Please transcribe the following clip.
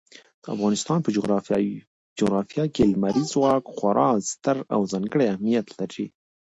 د افغانستان په جغرافیه کې لمریز ځواک خورا ستر او ځانګړی اهمیت لري.